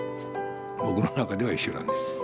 僕の中では一緒なんです。